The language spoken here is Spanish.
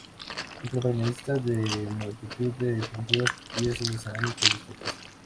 Es protagonista de multitud de pinturas, piezas de cerámica y estatuas.